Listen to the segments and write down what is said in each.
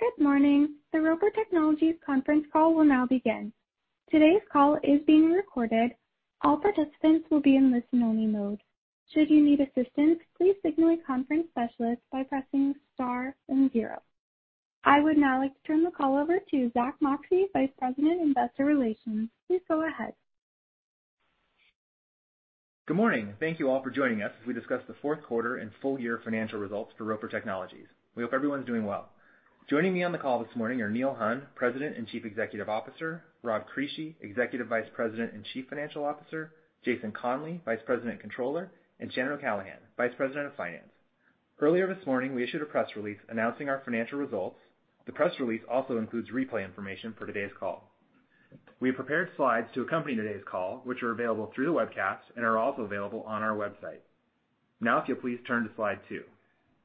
Good morning. The Roper Technologies conference call will now begin. Today's call is being recorded. All participants will be in listen-only mode. Should you need assistance, please signal a conference specialist by pressing star and zero. I would now like to turn the call over to Zack Moxcey, Vice President, Investor Relations. Please go ahead. Good morning. Thank you all for joining us as we discuss the fourth quarter and full year financial results for Roper Technologies. We hope everyone's doing well. Joining me on the call this morning are Neil Hunn, President and Chief Executive Officer, Rob Crisci, Executive Vice President and Chief Financial Officer, Jason Conley, Vice President and Controller, and Shannon O'Callaghan, Vice President of Finance. Earlier this morning, we issued a press release announcing our financial results. The press release also includes replay information for today's call. We have prepared slides to accompany today's call, which are available through the webcast and are also available on our website. If you'll please turn to slide two.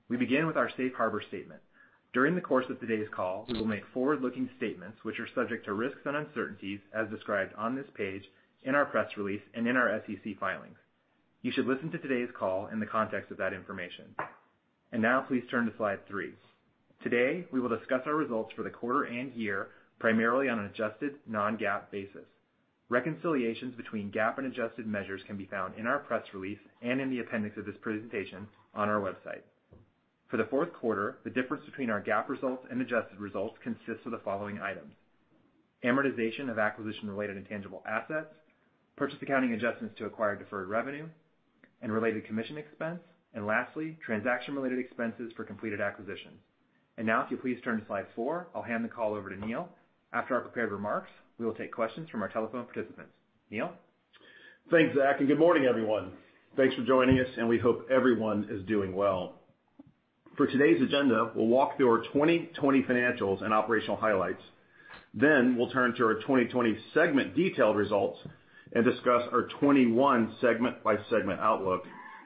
We begin with our Safe Harbor statement. During the course of today's call, we will make forward-looking statements which are subject to risks and uncertainties as described on this page, in our press release, and in our SEC filings. You should listen to today's call in the context of that information. Now, please turn to slide three. Today, we will discuss our results for the quarter and year, primarily on an adjusted non-GAAP basis. Reconciliations between GAAP and adjusted measures can be found in our press release and in the appendix of this presentation on our website. For the fourth quarter, the difference between our GAAP results and adjusted results consists of the following items: amortization of acquisition-related intangible assets, purchase accounting adjustments to acquire deferred revenue and related commission expense, and lastly, transaction-related expenses for completed acquisitions. Now, if you please turn to slide four, I'll hand the call over to Neil. After our prepared remarks, we will take questions from our telephone participants. Neil? Thanks, Zack, and good morning, everyone. Thanks for joining us, and we hope everyone is doing well. For today's agenda, we'll walk through our 2020 financials and operational highlights. We'll turn to our 2020 segment detailed results and discuss our 2021 segment-by-segment outlook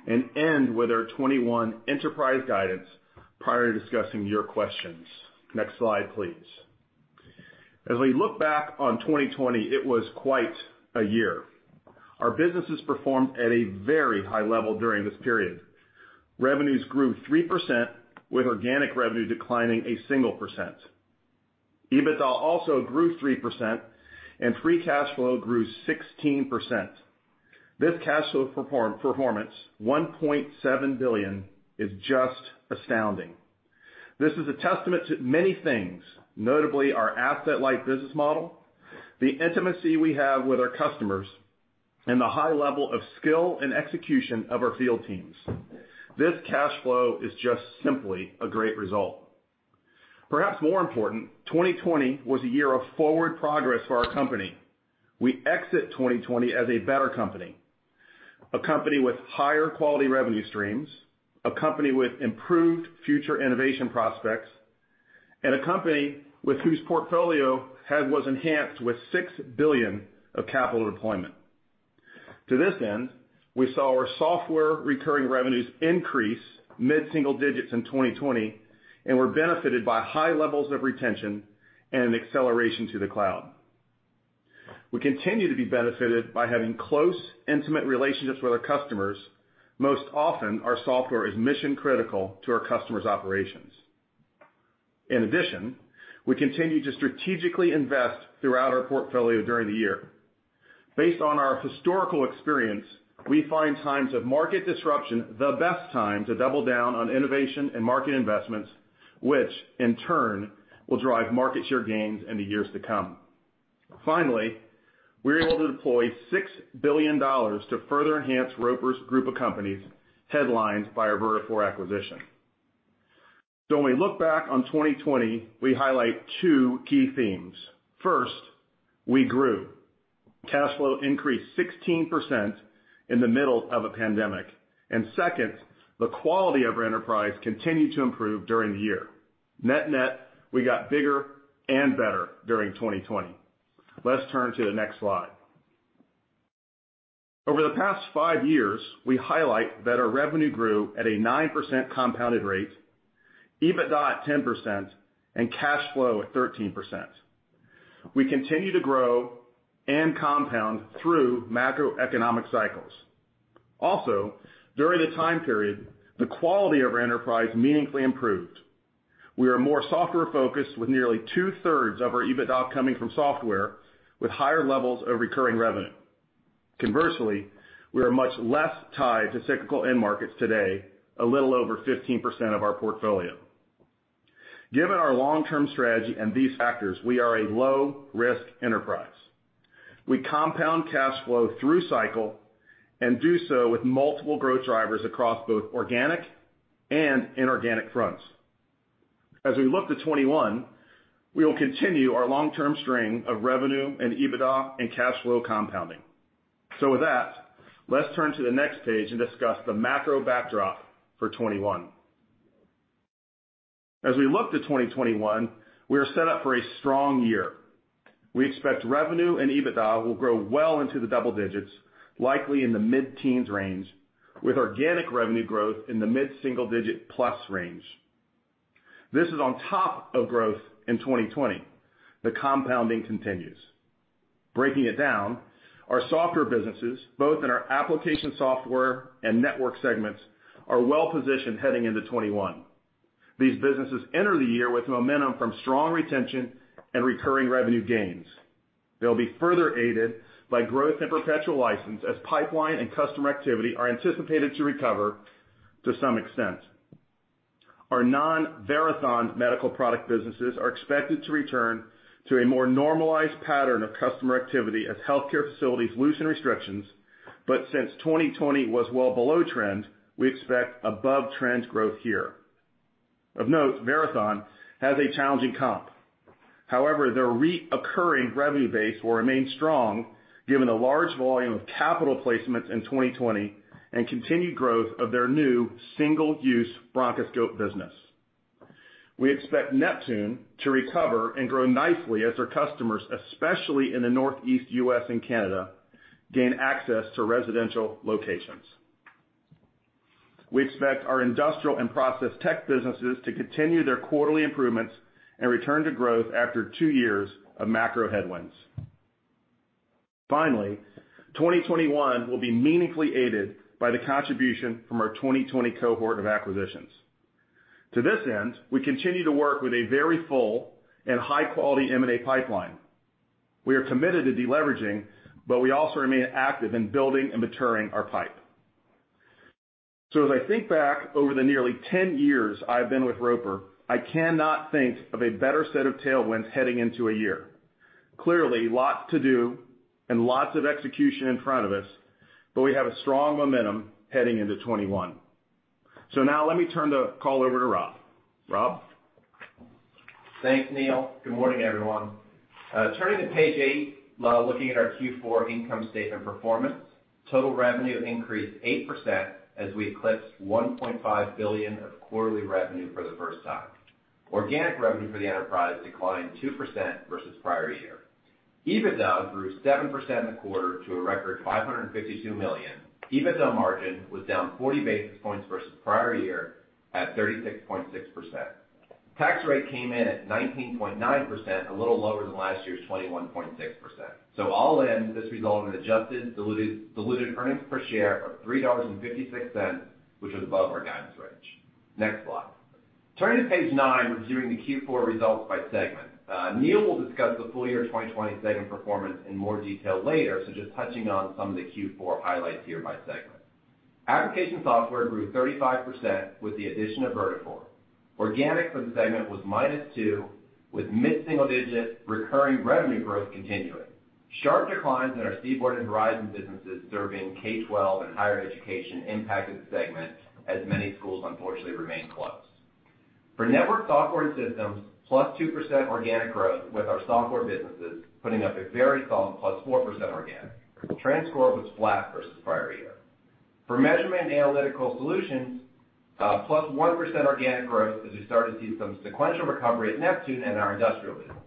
and end with our 2021 enterprise guidance prior to discussing your questions. Next slide, please. As we look back on 2020, it was quite a year. Our businesses performed at a very high level during this period. Revenues grew 3% with organic revenue declining a single percent. EBITDA also grew 3%, and free cash flow grew 16%. This cash flow performance, $1.7 billion, is just astounding. This is a testament to many things, notably our asset-light business model, the intimacy we have with our customers, and the high level of skill and execution of our field teams. This cash flow is just simply a great result. Perhaps more important, 2020 was a year of forward progress for our company. We exit 2020 as a better company, a company with higher quality revenue streams, a company with improved future innovation prospects, and a company with whose portfolio was enhanced with $6 billion of capital deployment. To this end, we saw our software recurring revenues increase mid-single digits in 2020 and were benefited by high levels of retention and an acceleration to the cloud. We continue to be benefited by having close, intimate relationships with our customers. Most often, our software is mission-critical to our customers' operations. In addition, we continue to strategically invest throughout our portfolio during the year. Based on our historical experience, we find times of market disruption the best time to double down on innovation and market investments, which in turn will drive market share gains in the years to come. We were able to deploy $6 billion to further enhance Roper Technologies' group of companies, headlined by our Vertafore acquisition. When we look back on 2020, we highlight two key themes. First, we grew. Cash flow increased 16% in the middle of a pandemic. Second, the quality of our enterprise continued to improve during the year. Net-net, we got bigger and better during 2020. Let's turn to the next slide. Over the past five years, we highlight that our revenue grew at a 9% compounded rate, EBITDA at 10%, and cash flow at 13%. We continue to grow and compound through macroeconomic cycles. Also, during the time period, the quality of our enterprise meaningfully improved. We are more software-focused with nearly 2/3 of our EBITDA coming from software with higher levels of recurring revenue. Conversely, we are much less tied to cyclical end markets today, a little over 15% of our portfolio. Given our long-term strategy and these factors, we are a low-risk enterprise. We compound cash flow through cycle and do so with multiple growth drivers across both organic and inorganic fronts. We look to 2021, we will continue our long-term string of revenue and EBITDA and cash flow compounding. With that, let's turn to the next page and discuss the macro backdrop for 2021. We look to 2021, we are set up for a strong year. We expect revenue and EBITDA will grow well into the double digits, likely in the mid-teens range, with organic revenue growth in the mid-single digit plus range. This is on top of growth in 2020. The compounding continues. Breaking it down, our software businesses, both in our Application Software and network segments, are well-positioned heading into 2021. These businesses enter the year with momentum from strong retention and recurring revenue gains. They'll be further aided by growth in perpetual license as pipeline and customer activity are anticipated to recover to some extent. Our non-Verathon medical product businesses are expected to return to a more normalized pattern of customer activity as healthcare facilities loosen restrictions. Since 2020 was well below trend, we expect above-trend growth here. Of note, Verathon has a challenging comp. Their recurring revenue base will remain strong given the large volume of capital placements in 2020 and continued growth of their new single-use bronchoscope business. We expect Neptune to recover and grow nicely as their customers, especially in the Northeast U.S. and Canada, gain access to residential locations. We expect our industrial and process tech businesses to continue their quarterly improvements and return to growth after two years of macro headwinds. Finally, 2021 will be meaningfully aided by the contribution from our 2020 cohort of acquisitions. To this end, we continue to work with a very full and high-quality M&A pipeline. We are committed to deleveraging, but we also remain active in building and maturing our pipe. As I think back over the nearly 10 years I've been with Roper, I cannot think of a better set of tailwinds heading into a year. Clearly, lots to do and lots of execution in front of us, but we have a strong momentum heading into 2021. Now let me turn the call over to Rob. Rob? Thanks, Neil. Good morning, everyone. Turning to page eight, looking at our Q4 income statement performance, total revenue increased 8% as we eclipsed $1.5 billion of quarterly revenue for the first time. Organic revenue for the enterprise declined 2% versus prior year. EBITDA grew 7% in the quarter to a record $552 million. EBITDA margin was down 40 basis points versus prior year at 36.6%. Tax rate came in at 19.9%, a little lower than last year's 21.6%. All in, this resulted in adjusted diluted earnings per share of $3.56, which was above our guidance range. Next slide. Turning to page nine, reviewing the Q4 results by segment. Neil will discuss the full year 2020 segment performance in more detail later, so just touching on some of the Q4 highlights here by segment. Application Software grew 35% with the addition of Vertafore. Organic for the segment was -2%, with mid-single-digit recurring revenue growth continuing. Sharp declines in our CBORD and Horizon businesses serving K-12 and higher education impacted the segment as many schools unfortunately remain closed. Network Software and Systems, +2% organic growth with our software businesses putting up a very solid +4% organic. TransCore was flat versus the prior year. Measurement Analytical Solutions, +1% organic growth as we start to see some sequential recovery at Neptune and our industrial businesses.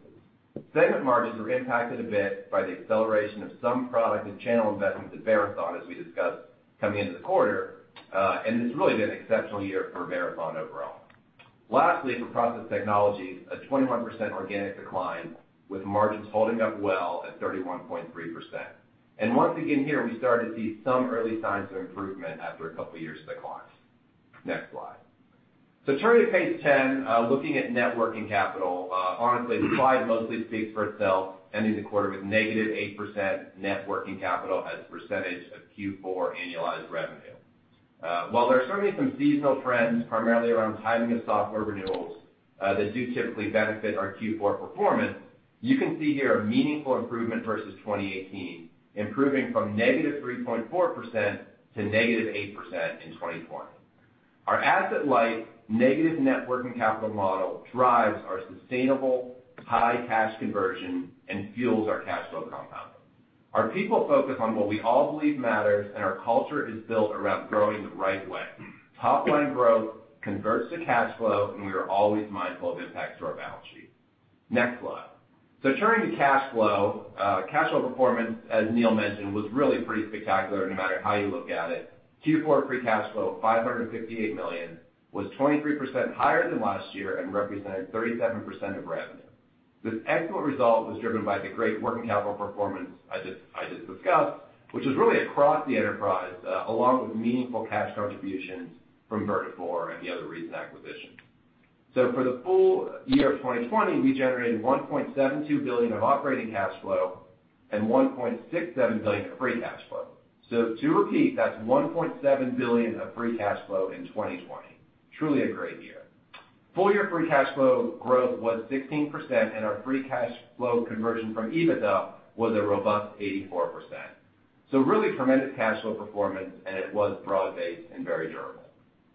Segment margins were impacted a bit by the acceleration of some product and channel investments at Verathon, as we discussed coming into the quarter, and it's really been an exceptional year for Verathon overall. Lastly, Process Technologies, a 21% organic decline with margins holding up well at 31.3%. Once again, here we start to see some early signs of improvement after a couple of years of declines. Next slide. Turning to page 10, looking at net working capital, honestly, the slide mostly speaks for itself, ending the quarter with -8% net working capital as a percentage of Q4 annualized revenue. While there are certainly some seasonal trends, primarily around timing of software renewals, that do typically benefit our Q4 performance, you can see here a meaningful improvement versus 2018, improving from -3.4% to -8% in 2020. Our asset-light negative net working capital model drives our sustainable high cash conversion and fuels our cash flow compound. Our people focus on what we all believe matters, and our culture is built around growing the right way. Top-line growth converts to cash flow, and we are always mindful of impacts to our balance sheet. Next slide. Turning to cash flow. Cash flow performance, as Neil mentioned, was really pretty spectacular no matter how you look at it. Q4 free cash flow of $558 million was 23% higher than last year and represented 37% of revenue. This excellent result was driven by the great working capital performance I just discussed, which was really across the enterprise, along with meaningful cash contributions from Vertafore and the other recent acquisitions. For the full year of 2020, we generated $1.72 billion of operating cash flow and $1.67 billion of free cash flow. To repeat, that's $1.7 billion of free cash flow in 2020. Truly a great year. Full year free cash flow growth was 16%, and our free cash flow conversion from EBITDA was a robust 84%. Really tremendous cash flow performance, and it was broad-based and very durable.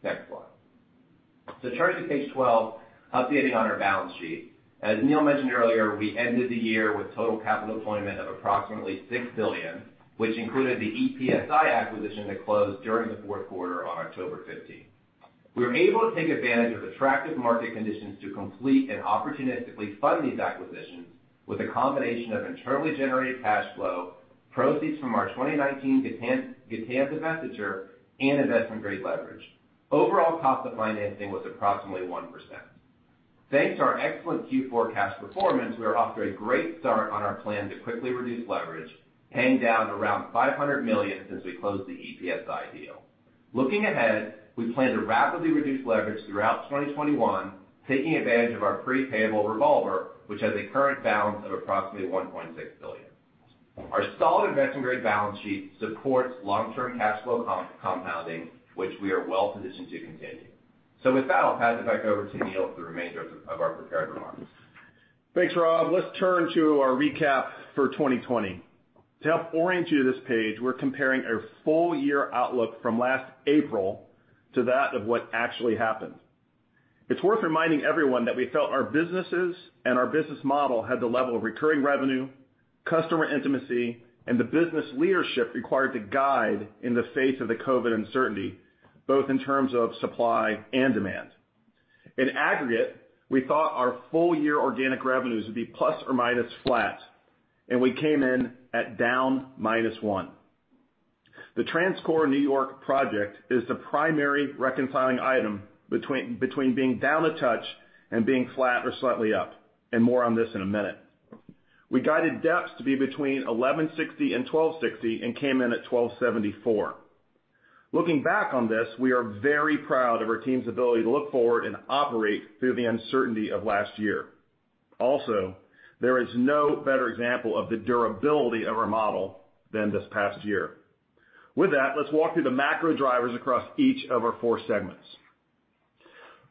Next slide. Turning to page 12, updating on our balance sheet. As Neil mentioned earlier, we ended the year with total capital deployment of approximately $6 billion, which included the EPSi acquisition that closed during the fourth quarter on October 15th. We were able to take advantage of attractive market conditions to complete and opportunistically fund these acquisitions with a combination of internally generated cash flow proceeds from our 2019 Gatan divestiture, and investment-grade leverage. Overall cost of financing was approximately 1%. Thanks to our excellent Q4 cash performance, we are off to a great start on our plan to quickly reduce leverage, paying down around $500 million since we closed the EPSi deal. Looking ahead, we plan to rapidly reduce leverage throughout 2021, taking advantage of our pre-payable revolver, which has a current balance of approximately $1.6 billion. Our solid investment-grade balance sheet supports long-term cash flow compounding, which we are well-positioned to continue. With that, I'll pass it back over to Neil for the remainder of our prepared remarks. Thanks, Rob. Let's turn to our recap for 2020. To help orient you to this page, we're comparing our full year outlook from last April to that of what actually happened. It's worth reminding everyone that we felt our businesses and our business model had the level of recurring revenue, customer intimacy, and the business leadership required to guide in the face of the COVID uncertainty, both in terms of supply and demand. In aggregate, we thought our full year organic revenues would be plus or minus flat, and we came in at down -1%. The TransCore New York project is the primary reconciling item between being down a touch and being flat or slightly up, and more on this in a minute. We guided DEPS to be between $11.60 and $12.60 and came in at $12.74. Looking back on this, we are very proud of our team's ability to look forward and operate through the uncertainty of last year. There is no better example of the durability of our model than this past year. With that, let's walk through the macro drivers across each of our four segments.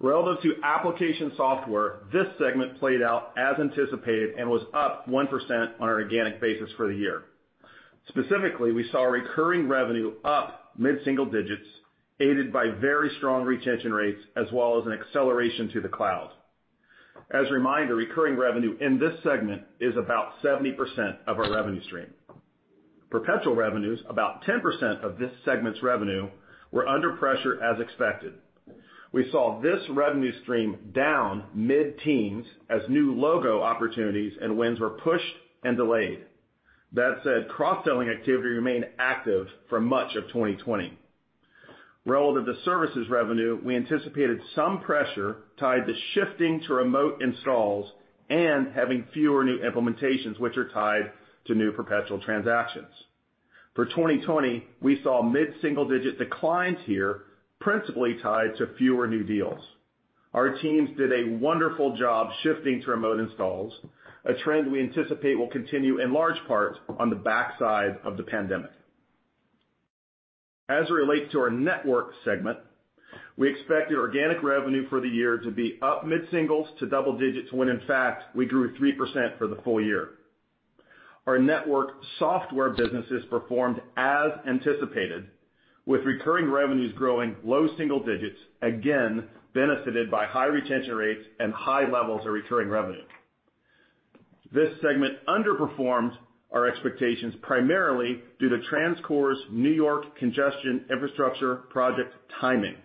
Relative to Application Software, this segment played out as anticipated and was up 1% on an organic basis for the year. Specifically, we saw recurring revenue up mid-single digits, aided by very strong retention rates as well as an acceleration to the cloud. As a reminder, recurring revenue in this segment is about 70% of our revenue stream. Perpetual revenues, about 10% of this segment's revenue, were under pressure as expected. We saw this revenue stream down mid-teens as new logo opportunities and wins were pushed and delayed. Cross-selling activity remained active for much of 2020. Relative to services revenue, we anticipated some pressure tied to shifting to remote installs and having fewer new implementations, which are tied to new perpetual transactions. For 2020, we saw mid-single-digit declines here, principally tied to fewer new deals. Our teams did a wonderful job shifting to remote installs, a trend we anticipate will continue in large part on the backside of the pandemic. As it relates to our network segment, we expected organic revenue for the year to be up mid-singles to double digits, when in fact, we grew 3% for the full year. Our network software businesses performed as anticipated, with recurring revenues growing low single digits, again benefited by high retention rates and high levels of recurring revenue. This segment underperformed our expectations primarily due to TransCore's New York congestion infrastructure project timing.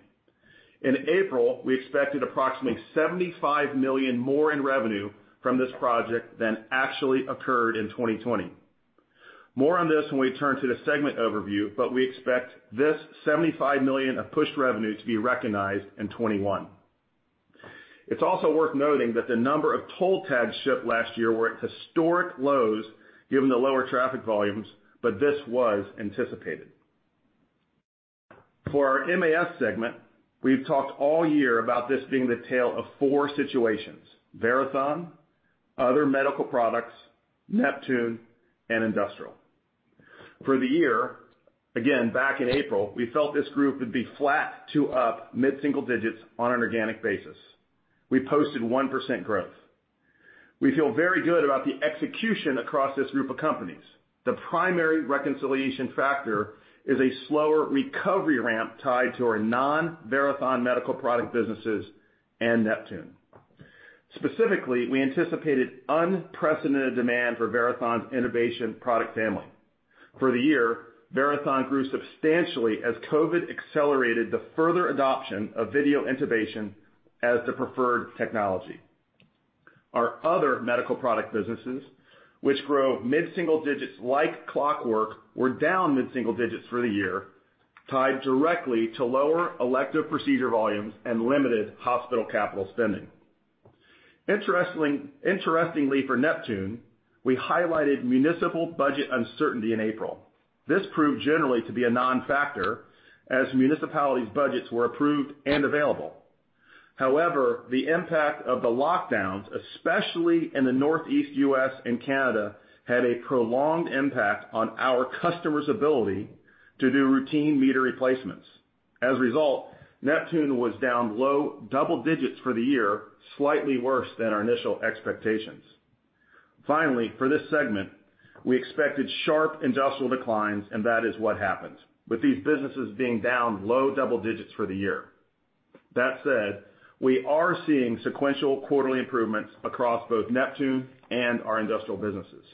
In April, we expected approximately $75 million more in revenue from this project than actually occurred in 2020. More on this when we turn to the segment overview, we expect this $75 million of pushed revenue to be recognized in 2021. It's also worth noting that the number of toll tags shipped last year were at historic lows given the lower traffic volumes, this was anticipated. For our MAS segment, we've talked all year about this being the tale of four situations. Verathon, other medical products, Neptune, and industrial. For the year, again, back in April, we felt this group would be flat to up mid-single digits on an organic basis. We posted 1% growth. We feel very good about the execution across this group of companies. The primary reconciliation factor is a slower recovery ramp tied to our non-Verathon medical product businesses and Neptune. Specifically, we anticipated unprecedented demand for Verathon's innovation product family. For the year, Verathon grew substantially as COVID accelerated the further adoption of video intubation as the preferred technology. Our other medical product businesses, which grow mid-single digits like clockwork, were down mid-single digits for the year, tied directly to lower elective procedure volumes and limited hospital capital spending. Interestingly for Neptune, we highlighted municipal budget uncertainty in April. This proved generally to be a non-factor, as municipalities' budgets were approved and available. However, the impact of the lockdowns, especially in the Northeast U.S. and Canada, had a prolonged impact on our customers' ability to do routine meter replacements. As a result, Neptune was down low double digits for the year, slightly worse than our initial expectations. Finally, for this segment, we expected sharp industrial declines, and that is what happened, with these businesses being down low double digits for the year. That said, we are seeing sequential quarterly improvements across both Neptune and our industrial businesses.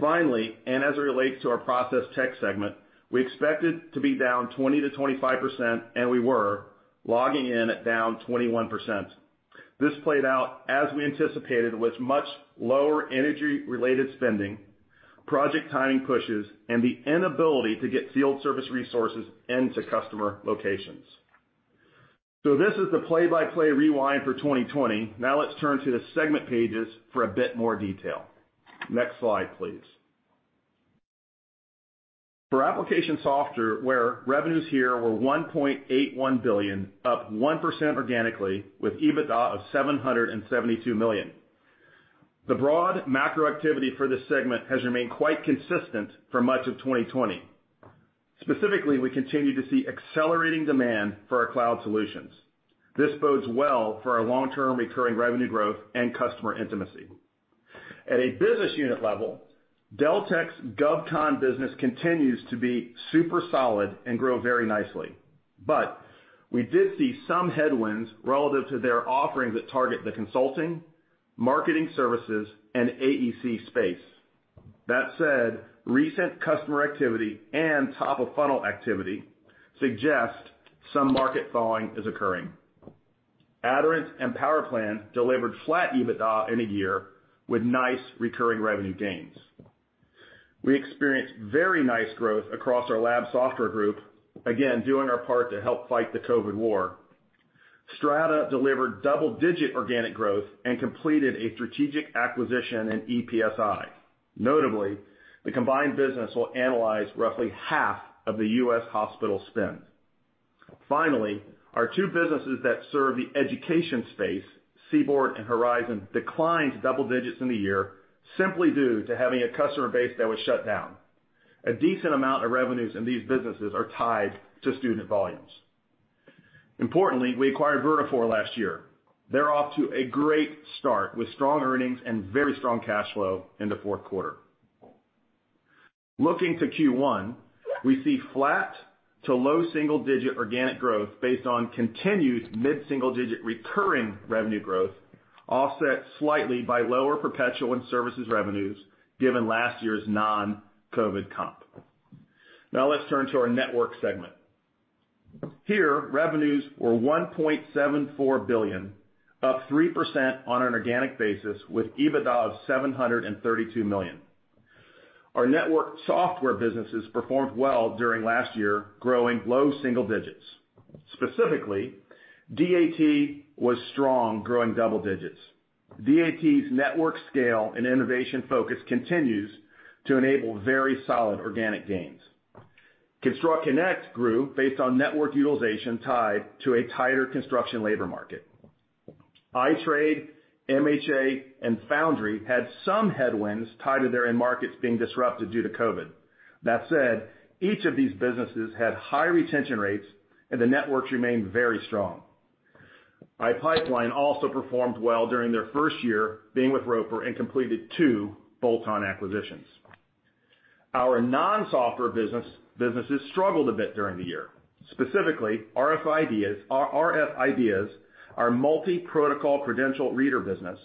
Finally, and as it relates to our process tech segment, we expected to be down 20%-25%, and we were, logging in at down 21%. This played out as we anticipated with much lower energy-related spending, project timing pushes, and the inability to get field service resources into customer locations. This is the play-by-play rewind for 2020. Let's turn to the segment pages for a bit more detail. Next slide, please. For Application Software, where revenues here were $1.81 billion, up 1% organically, with EBITDA of $772 million. The broad macro activity for this segment has remained quite consistent for much of 2020. Specifically, we continue to see accelerating demand for our cloud solutions. This bodes well for our long-term recurring revenue growth and customer intimacy. At a business unit level, Deltek's GovCon business continues to be super solid and grow very nicely. We did see some headwinds relative to their offerings that target the consulting, marketing services, and AEC space. That said, recent customer activity and top-of-funnel activity suggest some market thawing is occurring. Aderant and PowerPlan delivered flat EBITDA in a year with nice recurring revenue gains. We experienced very nice growth across our lab software group, again, doing our part to help fight the COVID war. Strata delivered double-digit organic growth and completed a strategic acquisition in EPSi. Notably, the combined business will analyze roughly half of the U.S. hospital spend. Finally, our two businesses that serve the education space, CBORD and Horizon, declined double digits in the year simply due to having a customer base that was shut down. A decent amount of revenues in these businesses are tied to student volumes. Importantly, we acquired Vertafore last year. They're off to a great start with strong earnings and very strong cash flow in the fourth quarter. Looking to Q1, we see flat to low single-digit organic growth based on continued mid-single-digit recurring revenue growth, offset slightly by lower perpetual and services revenues given last year's non-COVID comp. Let's turn to our network segment. Here, revenues were $1.74 billion, up 3% on an organic basis with EBITDA of $732 million. Our network software businesses performed well during last year, growing low single digits. Specifically, DAT was strong, growing double digits. DAT's network scale and innovation focus continues to enable very solid organic gains. ConstructConnect grew based on network utilization tied to a tighter construction labor market. iTrade, MHA, and Foundry had some headwinds tied to their end markets being disrupted due to COVID. Each of these businesses had high retention rates and the networks remained very strong. iPipeline also performed well during their first year being with Roper and completed two bolt-on acquisitions. Our non-software businesses struggled a bit during the year. Specifically, rf IDEAS, our multi-protocol credential reader business,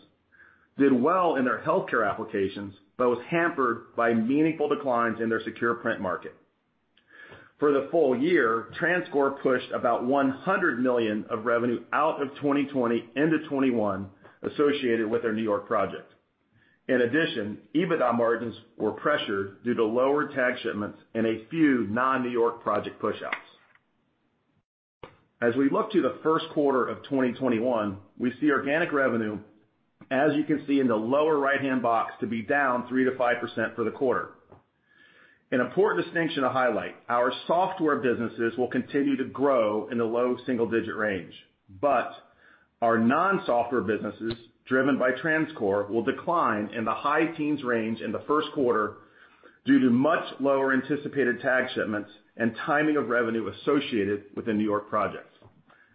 did well in their healthcare applications but was hampered by meaningful declines in their secure print market. For the full year, TransCore pushed about $100 million of revenue out of 2020 into 2021 associated with their New York project. EBITDA margins were pressured due to lower tag shipments and a few non-New York project pushouts. As we look to the first quarter of 2021, we see organic revenue, as you can see in the lower right-hand box, to be down 3%-5% for the quarter. An important distinction to highlight, our software businesses will continue to grow in the low single-digit range, but our non-software businesses, driven by TransCore, will decline in the high teens range in the first quarter due to much lower anticipated tag shipments and timing of revenue associated with the New York projects.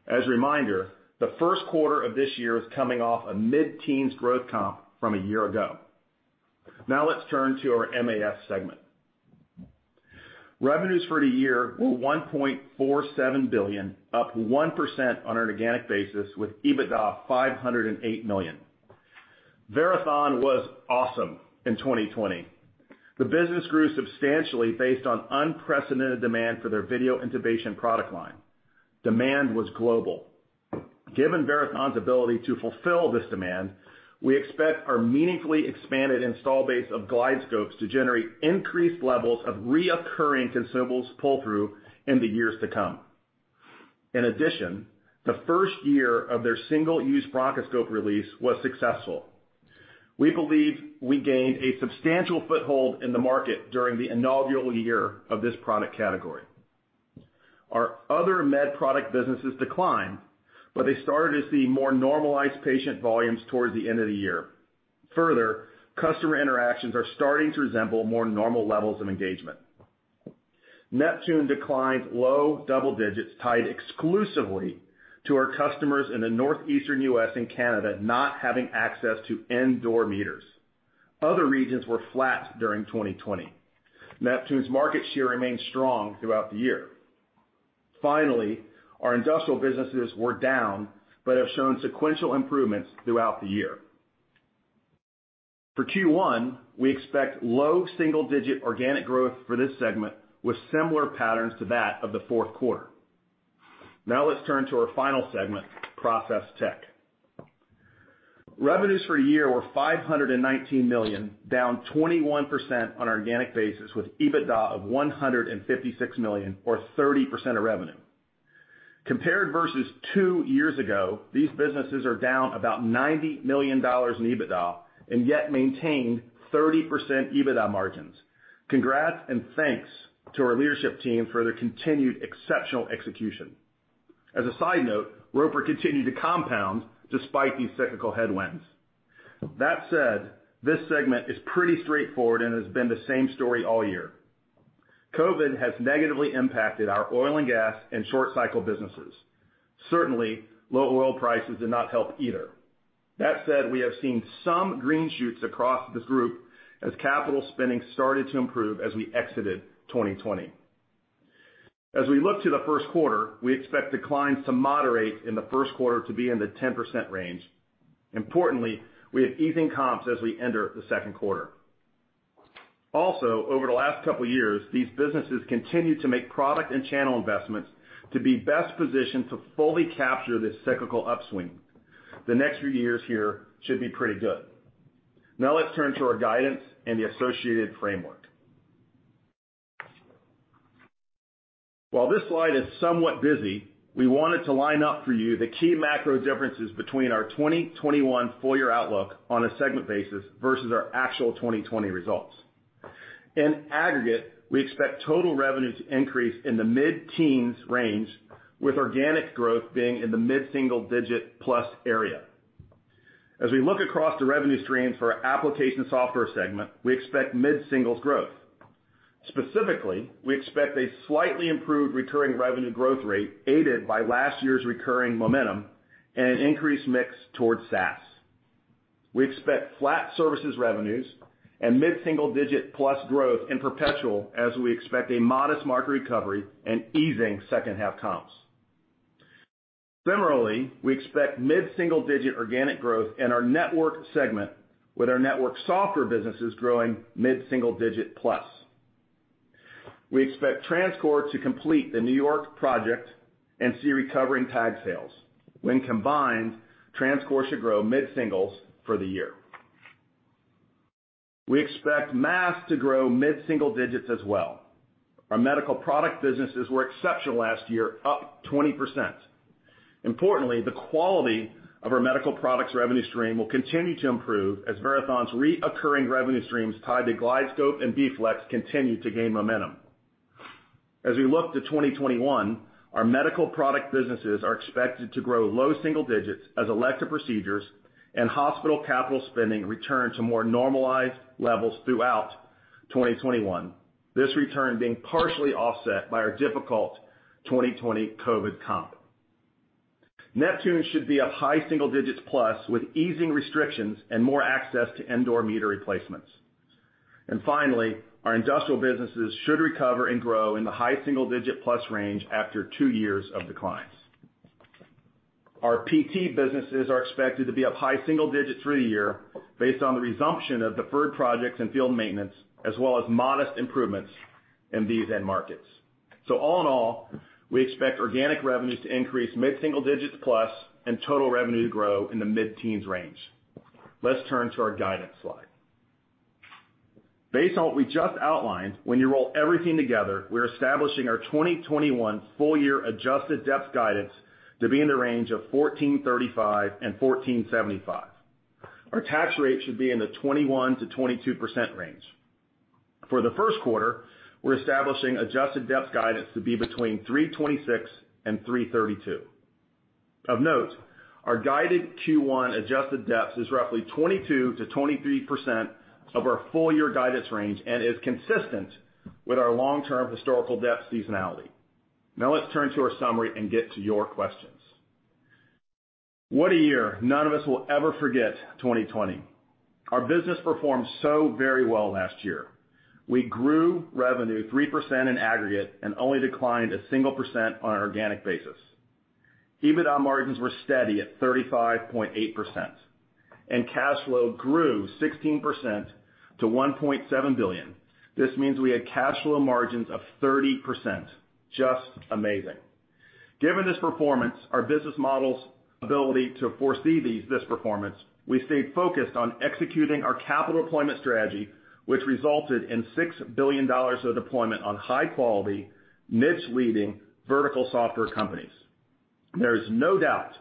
As a reminder, the first quarter of this year is coming off a mid-teens growth comp from a year ago. Now let's turn to our MAS segment. Revenues for the year were $1.47 billion, up 1% on an organic basis with EBITDA of $508 million. Verathon was awesome in 2020. The business grew substantially based on unprecedented demand for their video intubation product line. Demand was global. Given Verathon's ability to fulfill this demand, we expect our meaningfully expanded install base of GlideScopes to generate increased levels of recurring consumables pull-through in the years to come. The first year of their single-use bronchoscope release was successful. We believe we gained a substantial foothold in the market during the inaugural year of this product category. Our other med product businesses declined, but they started to see more normalized patient volumes towards the end of the year. Customer interactions are starting to resemble more normal levels of engagement. Neptune declined low double digits tied exclusively to our customers in the northeastern U.S. and Canada not having access to indoor meters. Other regions were flat during 2020. Neptune's market share remained strong throughout the year. Finally, our industrial businesses were down but have shown sequential improvements throughout the year. For Q1, we expect low single-digit organic growth for this segment with similar patterns to that of the fourth quarter. Let's turn to our final segment, Process Tech. Revenues for the year were $519 million, down 21% on a organic basis, with EBITDA of $156 million or 30% of revenue. Compared versus two years ago, these businesses are down about $90 million in EBITDA and yet maintain 30% EBITDA margins. Congrats and thanks to our leadership team for their continued exceptional execution. As a side note, Roper continued to compound despite these cyclical headwinds. That said, this segment is pretty straightforward and has been the same story all year. COVID has negatively impacted our oil and gas and short cycle businesses. Certainly, low oil prices did not help either. That said, we have seen some green shoots across this group as capital spending started to improve as we exited 2020. As we look to the first quarter, we expect declines to moderate in the first quarter to be in the 10% range. Importantly, we have easing comps as we enter the second quarter. Also, over the last couple of years, these businesses continue to make product and channel investments to be best positioned to fully capture this cyclical upswing. The next few years here should be pretty good. Now let's turn to our guidance and the associated framework. While this slide is somewhat busy, we want it to line up for you the key macro differences between our 2021 full year outlook on a segment basis versus our actual 2020 results. In aggregate, we expect total revenue to increase in the mid-teens range with organic growth being in the mid-single digit plus area. As we look across the revenue streams for our Application Software segment, we expect mid-singles growth. Specifically, we expect a slightly improved recurring revenue growth rate aided by last year's recurring momentum and an increased mix towards SaaS. We expect flat services revenues and mid-single digit plus growth in perpetual as we expect a modest market recovery and easing second half comps. Similarly, we expect mid-single digit organic growth in our network segment with our network software businesses growing mid-single digit plus. We expect TransCore to complete the New York project and see recovering tag sales. When combined, TransCore should grow mid-singles for the year. We expect MAS to grow mid-single digits as well. Our medical product businesses were exceptional last year, up 20%. Importantly, the quality of our medical products revenue stream will continue to improve as Verathon's reoccurring revenue streams tied to GlideScope and BFlex continue to gain momentum. As we look to 2021, our medical product businesses are expected to grow low single digits as elective procedures and hospital capital spending return to more normalized levels throughout 2021. This return being partially offset by our difficult 2020 COVID comp. Neptune should be up high single digits plus with easing restrictions and more access to indoor meter replacements. Finally, our industrial businesses should recover and grow in the high single digit plus range after two years of declines. Our PT businesses are expected to be up high single digits through the year based on the resumption of deferred projects and field maintenance, as well as modest improvements in these end markets. All in all, we expect organic revenues to increase mid-single digits plus and total revenue to grow in the mid-teens range. Let's turn to our guidance slide. Based on what we just outlined, when you roll everything together, we're establishing our 2021 full year adjusted DEPS guidance to be in the range of $14.35-$14.75. Our tax rate should be in the 21%-22% range. For the first quarter, we're establishing adjusted DEPS guidance to be between $3.26 and $3.32. Of note, our guided Q1 adjusted DEPS is roughly 22%-23% of our full year guidance range and is consistent with our long-term historical DEPS seasonality. Let's turn to our summary and get to your questions. What a year. None of us will ever forget 2020. Our business performed so very well last year. We grew revenue 3% in aggregate and only declined 1% on an organic basis. EBITDA margins were steady at 35.8%, and cash flow grew 16% to $1.7 billion. This means we had cash flow margins of 30%, just amazing. Given this performance, our business model's ability to foresee this performance, we stayed focused on executing our capital deployment strategy, which resulted in $6 billion of deployment on high quality, niche-leading vertical software companies. There is no doubt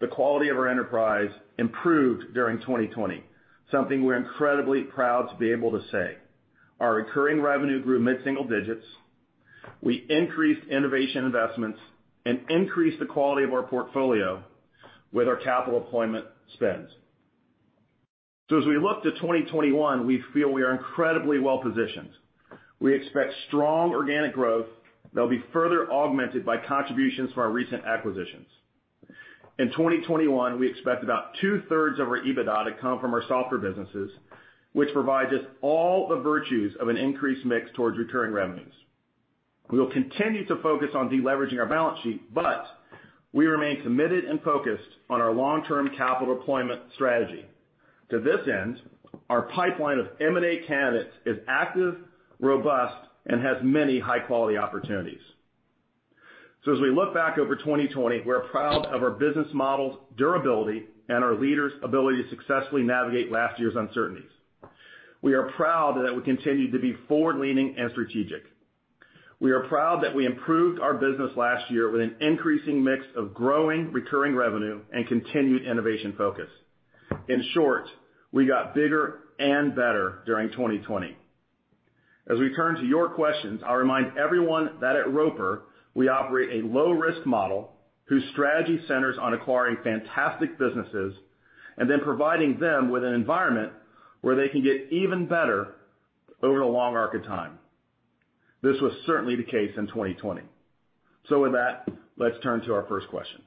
the quality of our enterprise improved during 2020, something we're incredibly proud to be able to say. Our recurring revenue grew mid-single digits. We increased innovation investments and increased the quality of our portfolio with our capital deployment spends. As we look to 2021, we feel we are incredibly well-positioned. We expect strong organic growth that'll be further augmented by contributions from our recent acquisitions. In 2021, we expect about 2/3 of our EBITDA to come from our software businesses, which provides us all the virtues of an increased mix towards recurring revenues. We will continue to focus on deleveraging our balance sheet, but we remain committed and focused on our long-term capital deployment strategy. To this end, our pipeline of M&A candidates is active, robust, and has many high-quality opportunities. As we look back over 2020, we're proud of our business model's durability and our leaders' ability to successfully navigate last year's uncertainties. We are proud that we continued to be forward-leaning and strategic. We are proud that we improved our business last year with an increasing mix of growing recurring revenue and continued innovation focus. In short, we got bigger and better during 2020. As we turn to your questions, I'll remind everyone that at Roper, we operate a low-risk model whose strategy centers on acquiring fantastic businesses, and then providing them with an environment where they can get even better over the long arc of time. This was certainly the case in 2020. With that, let's turn to our first question.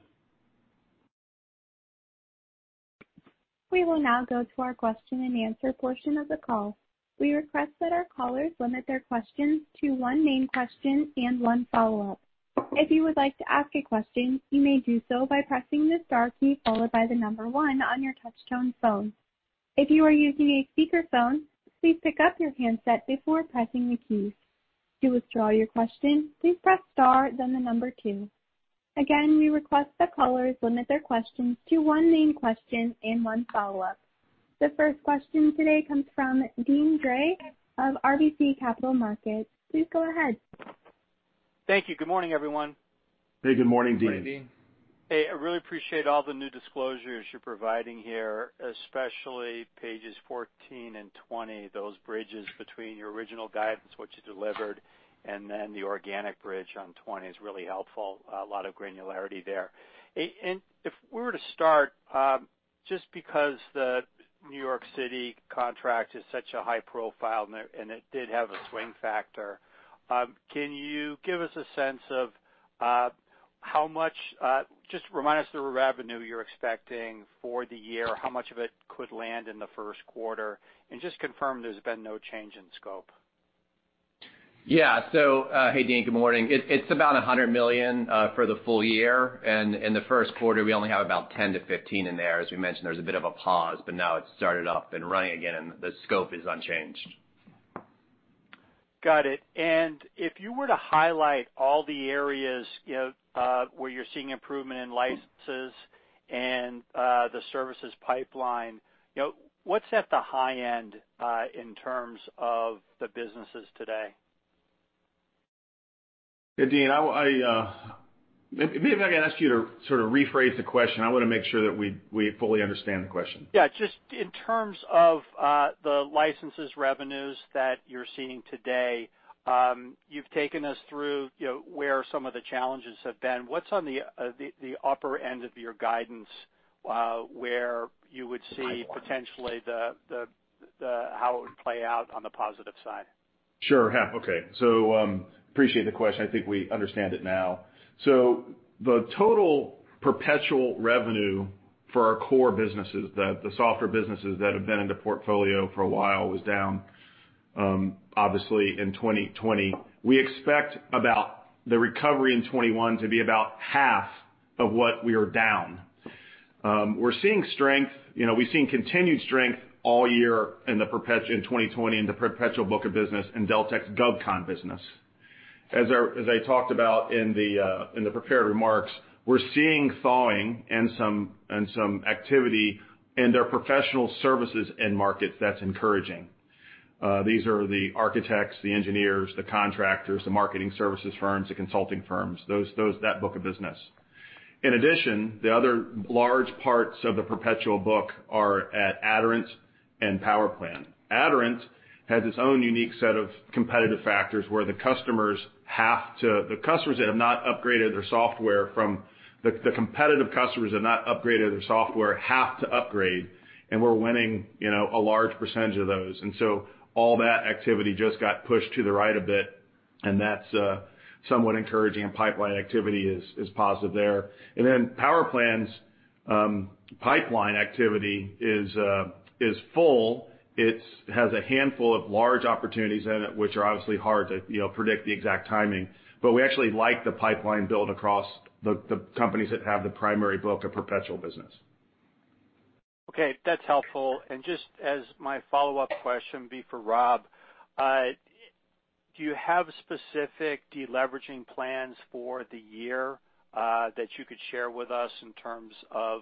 We will now go to our question-and-answer portion of the call. We request that our callers limit their questions to one main question and one follow-up. If you would like to ask a question you may do so by pressing the star key followed by the number one on your touch-tone phone. If you are using a speaker phone please pick up your handset before pressing the keys. To withdraw your question please press star then the number two. Again, we request the callers to limit their question to one main question and one follow-up. The first question today comes from Deane Dray of RBC Capital Markets. Please go ahead. Thank you. Good morning, everyone. Hey, good morning, Deane. Good morning, Deane. Hey, I really appreciate all the new disclosures you're providing here, especially pages 14 and 20. Those bridges between your original guidance, what you delivered, and then the organic bridge on 20 is really helpful. A lot of granularity there. If we were to start, just because the New York City contract is such a high profile and it did have a swing factor, can you give us a sense of just remind us the revenue you're expecting for the year, how much of it could land in the first quarter? Just confirm there's been no change in scope. Yeah. Hey, Deane, good morning. It's about $100 million for the full year. In the first quarter, we only have about $10 million-$15 million in there. As we mentioned, there's a bit of a pause, but now it's started up and running again, and the scope is unchanged. Got it. If you were to highlight all the areas where you're seeing improvement in licenses and the services pipeline, what's at the high end in terms of the businesses today? Hey, Deane. Maybe if I can ask you to sort of rephrase the question. I want to make sure that we fully understand the question. Yeah. Just in terms of the licenses revenues that you're seeing today, you've taken us through where some of the challenges have been. What's on the upper end of your guidance, where you would see? Pipeline. Potentially how it would play out on the positive side? Sure. Yeah. Okay. Appreciate the question. I think we understand it now. The total perpetual revenue for our core businesses, the software businesses that have been in the portfolio for a while, was down, obviously, in 2020. We expect about the recovery in 2021 to be about half of what we are down. We're seeing continued strength all year in 2020 in the perpetual book of business and Deltek's GovCon business. As I talked about in the prepared remarks, we're seeing thawing and some activity in their professional services end markets. That's encouraging. These are the architects, the engineers, the contractors, the marketing services firms, the consulting firms, that book of business. In addition, the other large parts of the perpetual book are at Aderant and PowerPlan. Aderant has its own unique set of competitive factors, where the competitive customers that have not upgraded their software have to upgrade, and we're winning a large percentage of those. All that activity just got pushed to the right a bit, and that's somewhat encouraging, and pipeline activity is positive there. PowerPlan's pipeline activity is full. It has a handful of large opportunities in it, which are obviously hard to predict the exact timing. We actually like the pipeline build across the companies that have the primary book of perpetual business. Okay, that's helpful. Just as my follow-up question would be for Rob, do you have specific deleveraging plans for the year that you could share with us in terms of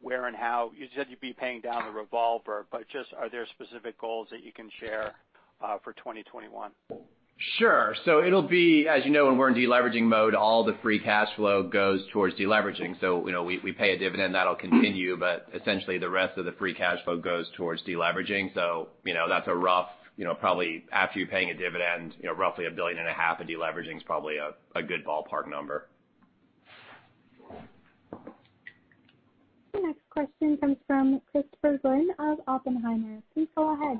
where and how? You said you'd be paying down the revolver, just are there specific goals that you can share for 2021? Sure. It'll be, as you know, when we're in deleveraging mode, all the free cash flow goes towards deleveraging. We pay a dividend, that'll continue, but essentially the rest of the free cash flow goes towards deleveraging. That's a rough, probably after you're paying a dividend, roughly a billion and a half in deleveraging is probably a good ballpark number. The next question comes from Christopher Glynn of Oppenheimer. Please go ahead.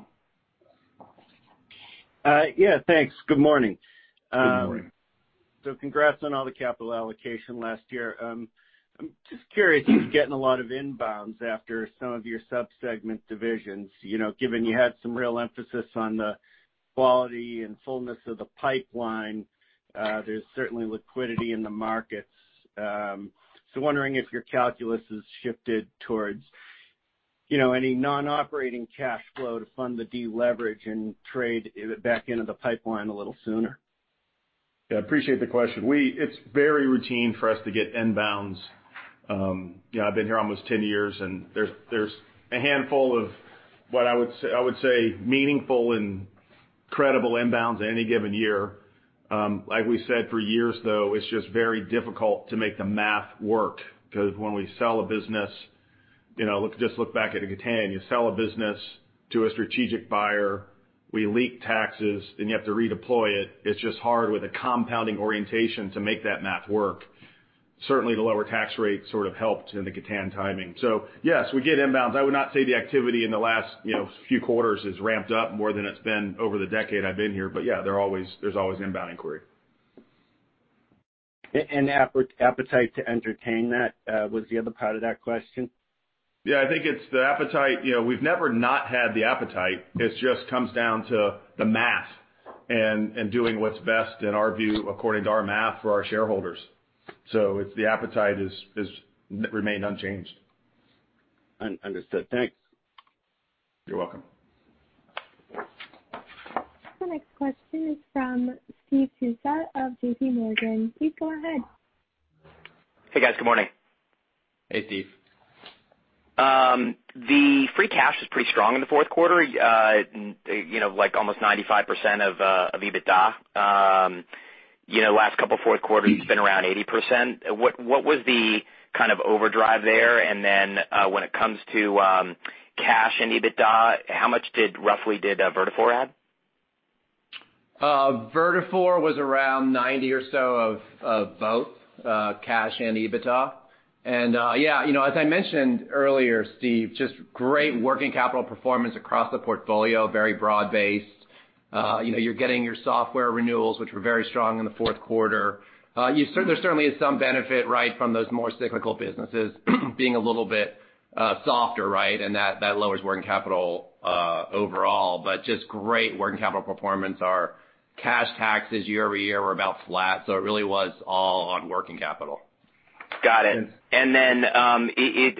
Yeah, thanks. Good morning. Good morning. Congrats on all the capital allocation last year. I'm just curious if you're getting a lot of inbounds after some of your sub-segment divisions, given you had some real emphasis on the quality and fullness of the pipeline, there's certainly liquidity in the markets. Wondering if your calculus has shifted towards any non-operating cash flow to fund the deleverage and trade back into the pipeline a little sooner? Appreciate the question. It's very routine for us to get inbounds. I've been here almost 10 years, and there's a handful of what I would say meaningful and credible inbounds in any given year. Like we said, for years, though, it's just very difficult to make the math work because when we sell a business, just look back at the Gatan. You sell a business to a strategic buyer, we leak taxes, then you have to redeploy it. It's just hard with a compounding orientation to make that math work. Certainly, the lower tax rate sort of helped in the Gatan timing. Yes, we get inbounds. I would not say the activity in the last few quarters has ramped up more than it's been over the decade I've been here, but yeah, there's always inbound inquiry. Appetite to entertain that was the other part of that question. I think it's the appetite. We've never not had the appetite. It just comes down to the math and doing what's best in our view, according to our math, for our shareholders. It's the appetite has remained unchanged. Understood. Thanks. You're welcome. The next question is from Steve Tusa of JPMorgan. Please go ahead. Hey, guys. Good morning. Hey, Steve. The free cash was pretty strong in the fourth quarter, like almost 95% of EBITDA. Last couple fourth quarters been around 80%. What was the kind of overdrive there? When it comes to cash and EBITDA, how much roughly did Vertafore add? Vertafore was around 90% or so of both cash and EBITDA. Yeah, as I mentioned earlier, Steve, just great working capital performance across the portfolio, very broad-based. You're getting your software renewals, which were very strong in the fourth quarter. There certainly is some benefit from those more cyclical businesses being a little bit softer, and that lowers working capital overall, but just great working capital performance. Our cash taxes year-over-year were about flat, it really was all on working capital. Got it.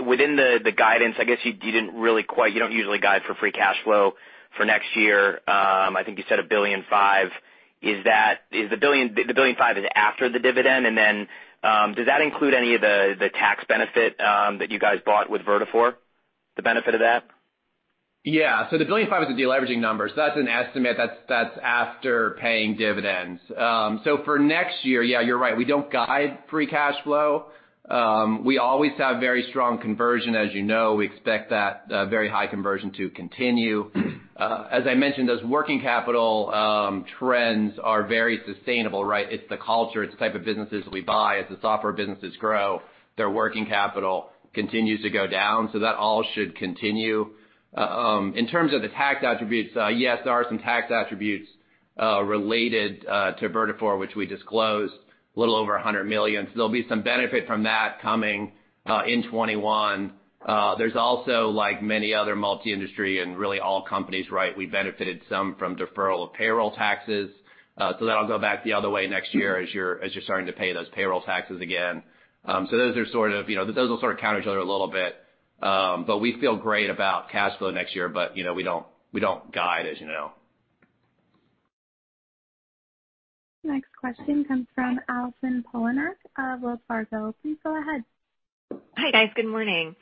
Within the guidance, I guess you don't usually guide for free cash flow for next year. I think you said $1.5 billion. Is the $1.5 billion after the dividend? Does that include any of the tax benefit that you guys bought with Vertafore? The benefit of that. Yeah. The $1.5 billion is the deleveraging number. That's an estimate that's after paying dividends. For next year, yeah, you're right. We don't guide free cash flow. We always have very strong conversion as you know. We expect that very high conversion to continue. As I mentioned, those working capital trends are very sustainable. It's the culture, it's the type of businesses we buy. As the software businesses grow, their working capital continues to go down. That all should continue. In terms of the tax attributes, yes, there are some tax attributes related to Vertafore, which we disclosed, a little over $100 million. There'll be some benefit from that coming in 2021. There's also like many other multi-industry and really all companies, we benefited some from deferral of payroll taxes. That'll go back the other way next year as you're starting to pay those payroll taxes again. Those will sort of counter each other a little bit. We feel great about cash flow next year, but we don't guide, as you know. Next question comes from Allison Poliniak of Wells Fargo. Please go ahead. Hi, guys. Good morning.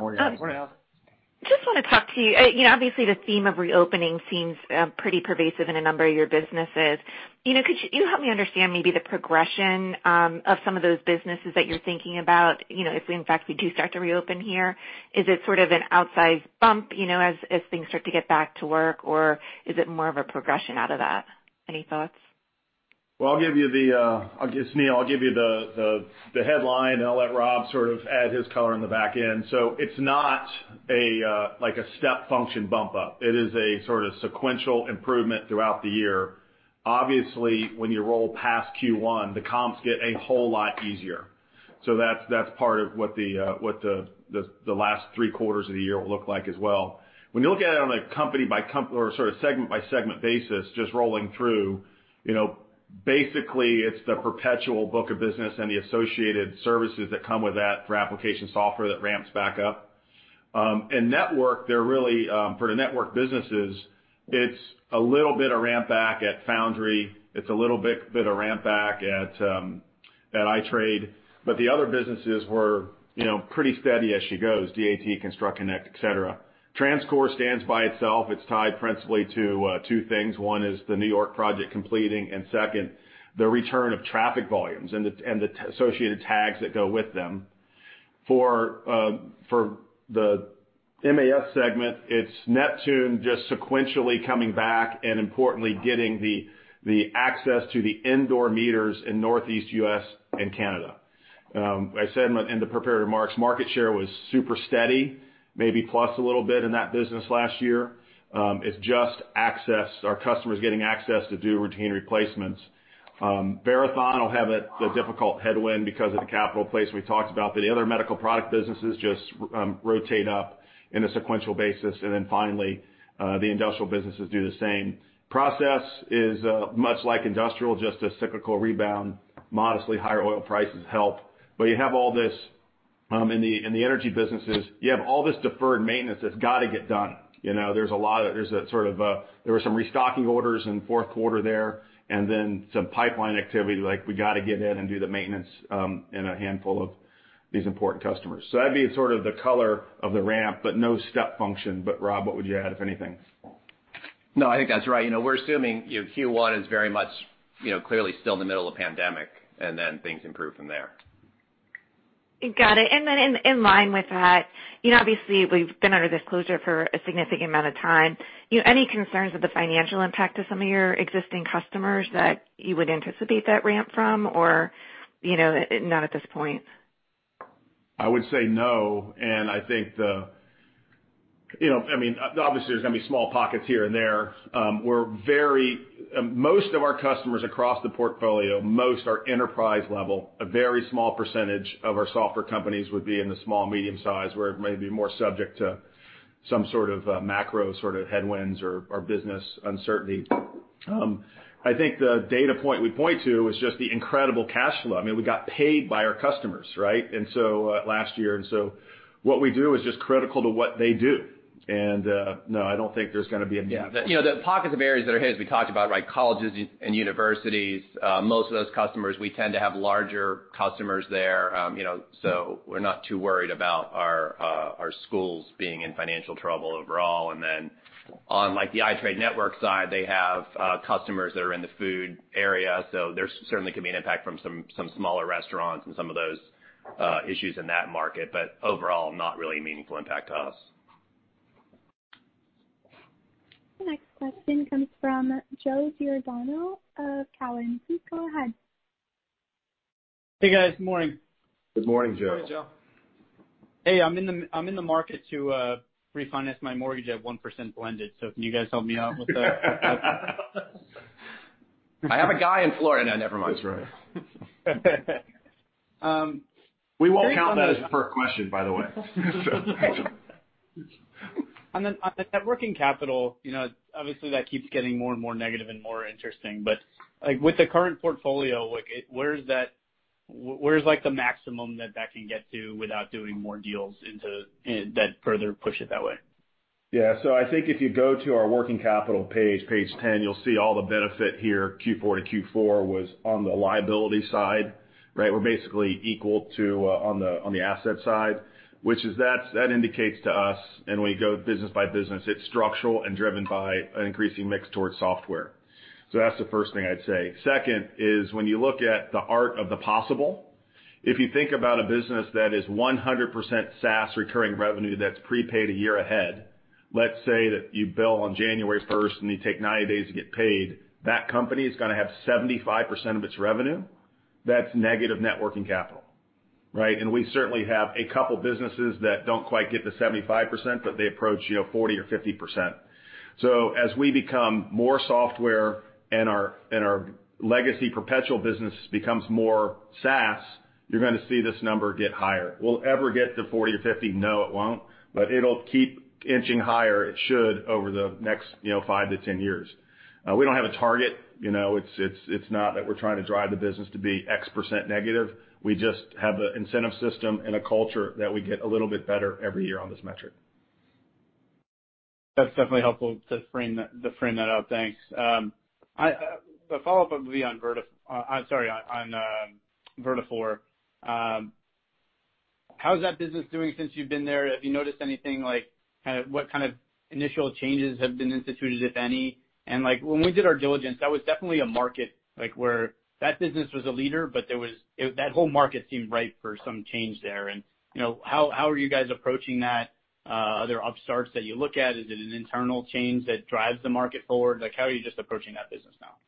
Morning, Allison. Morning, Allison. Obviously, the theme of reopening seems pretty pervasive in a number of your businesses. Could you help me understand maybe the progression of some of those businesses that you're thinking about if in fact we do start to reopen here? Is it sort of an outsized bump as things start to get back to work, or is it more of a progression out of that? Any thoughts? It's me, I'll give you the headline, and I'll let Rob sort of add his color on the back end. It's not like a step function bump up. It is a sort of sequential improvement throughout the year. Obviously, when you roll past Q1, the comps get a whole lot easier. That's part of what the last three quarters of the year will look like as well. When you look at it on a segment-by-segment basis, just rolling through, basically it's the perpetual book of business and the associated services that come with that for Application Software that ramps back up. Network, for the network businesses, it's a little bit of ramp back at Foundry. It's a little bit of ramp back at iTrade, the other businesses were pretty steady as she goes, DAT, ConstructConnect, et cetera. TransCore stands by itself. It's tied principally to two things. One is the New York project completing, and second, the return of traffic volumes and the associated tags that go with them. For the MAS segment, it's Neptune just sequentially coming back and importantly, getting the access to the indoor meters in Northeast U.S. and Canada. I said in the prepared remarks, market share was super steady, maybe plus a little bit in that business last year. It's just our customers getting access to do routine replacements. Verathon will have a difficult headwind because of the capital place we talked about. The other medical product businesses just rotate up in a sequential basis. Finally, the industrial businesses do the same. Process is much like industrial, just a cyclical rebound, modestly higher oil prices help. You have all this in the energy businesses, you have all this deferred maintenance that's got to get done. There were some restocking orders in fourth quarter there, some pipeline activity like we got to get in and do the maintenance in a handful of these important customers. That'd be sort of the color of the ramp, but no step function. Rob, what would you add, if anything? No, I think that's right. We're assuming, Q1 is very much clearly still in the middle of the pandemic. Then things improve from there. Got it. In line with that, obviously we've been under this closure for a significant amount of time. Any concerns of the financial impact to some of your existing customers that you would anticipate that ramp from, or none at this point? I would say no, and I think, obviously there's going to be small pockets here and there. Most of our customers across the portfolio, most are enterprise level. A very small percentage of our software companies would be in the small, medium size, where it may be more subject to some sort of macro headwinds or business uncertainty. I think the data point we point to is just the incredible cash flow. We got paid by our customers last year, and so what we do is just critical to what they do. No, I don't think there's going to be. The pockets of areas that are hit, as we talked about, like colleges and universities, most of those customers, we tend to have larger customers there. We're not too worried about our schools being in financial trouble overall. On the iTradeNetwork side, they have customers that are in the food area, there certainly can be an impact from some smaller restaurants and some of those issues in that market, overall, not really a meaningful impact to us. The next question comes from Joe Giordano of Cowen. Please go ahead. Hey, guys. Morning. Good morning, Joe. Morning, Joe. Hey, I'm in the market to refinance my mortgage at 1% blended. Can you guys help me out with that? I have a guy in Florida. No, never mind. That's right. We won't count that as per question, by the way. On the net working capital, obviously that keeps getting more and more negative and more interesting. With the current portfolio, where is the maximum that that can get to without doing more deals that further push it that way? Yeah. I think if you go to our working capital page 10, you'll see all the benefit here, Q4 to Q4 was on the liability side, right? We're basically equal on the asset side. That indicates to us, and when you go business by business, it's structural and driven by an increasing mix towards software. That's the first thing I'd say. Second is when you look at the art of the possible, if you think about a business that is 100% SaaS recurring revenue that's prepaid a year ahead. Let's say that you bill on January 1st and you take 90 days to get paid. That company is going to have 75% of its revenue, that's negative net working capital. Right? We certainly have a couple businesses that don't quite get to 75%, but they approach 40% or 50%. As we become more software and our legacy perpetual business becomes more SaaS, you're going to see this number get higher. Will it ever get to 40 or 50? No, it won't. It'll keep inching higher, it should, over the next 5-10 years. We don't have a target. It's not that we're trying to drive the business to be X% negative. We just have the incentive system and a culture that we get a little bit better every year on this metric. That's definitely helpful to frame that out. Thanks. The follow-up would be on Vertafore. How's that business doing since you've been there? Have you noticed anything like what kind of initial changes have been instituted, if any? When we did our diligence, that was definitely a market like where that business was a leader, but that whole market seemed ripe for some change there. How are you guys approaching that? Are there upstarts that you look at? Is it an internal change that drives the market forward? Like how are you just approaching that business now?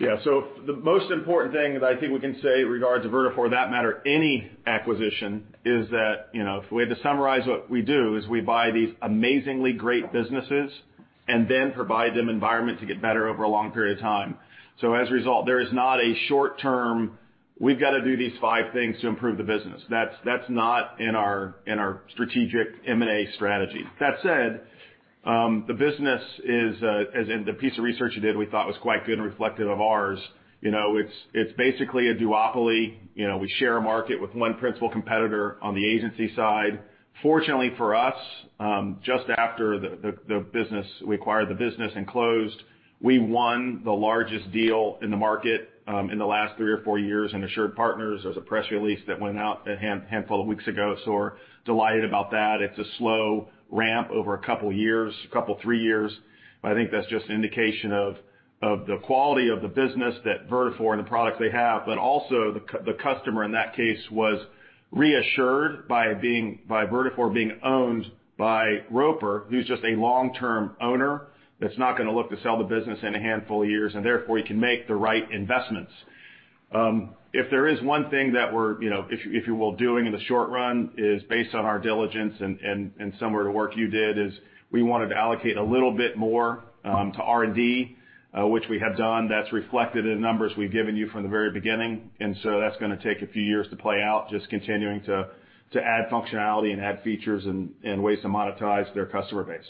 Yeah. The most important thing that I think we can say in regards to Vertafore, that matter any acquisition is that, if we had to summarize what we do is we buy these amazingly great businesses and then provide them environment to get better over a long period of time. As a result, there is not a short term, we've got to do these five things to improve the business. That's not in our strategic M&A strategy. That said, the business is, as in the piece of research you did, we thought was quite good and reflective of ours. It's basically a duopoly. We share a market with one principal competitor on the agency side. Fortunately for us, just after we acquired the business and closed, we won the largest deal in the market, in the last three or four years in AssuredPartners. There's a press release that went out a handful of weeks ago, we're delighted about that. It's a slow ramp over a couple years, a couple three years. I think that's just an indication of the quality of the business that Vertafore and the products they have. Also the customer in that case was reassured by Vertafore being owned by Roper, who's just a long-term owner that's not going to look to sell the business in a handful of years, therefore you can make the right investments. If there is one thing that we're, if you will, doing in the short run is based on our diligence and some of the work you did, is we wanted to allocate a little bit more to R&D, which we have done. That's reflected in the numbers we've given you from the very beginning. That's going to take a few years to play out, just continuing to add functionality and add features and ways to monetize their customer base.